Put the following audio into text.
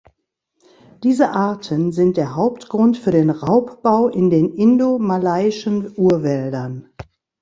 Diese Arten sind der Hauptgrund für den Raubbau in den Indo-Malayischen Urwäldern.